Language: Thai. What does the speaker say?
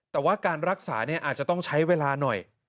แต่ว่าการรักษาอาจจะต้องใช้เวลาหน่อย